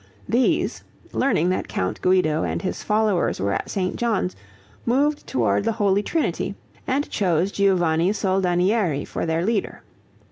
These, learning that Count Guido and his followers were at St. John's, moved toward the Holy Trinity, and chose Giovanni Soldanieri for their leader.